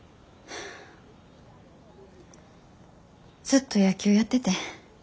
ずっと野球やっててん。